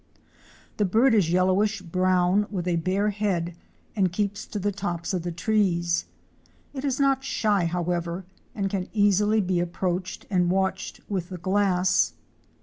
The bird is yellowish brown with a bare head and keeps to the tops of the trees. It is not shy however and can easily be approached and watched with the glass.